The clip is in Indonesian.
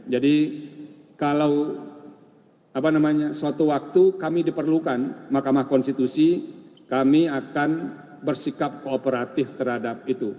kalau suatu waktu kami diperlukan mahkamah konstitusi kami akan bersikap kooperatif terhadap itu